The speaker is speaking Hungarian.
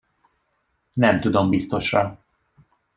Nem tudom biztosra.